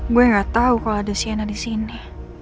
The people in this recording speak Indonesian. gue gak tau kalau ada sienna disini